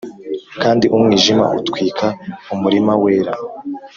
kandi umwijima utwika umurima wera.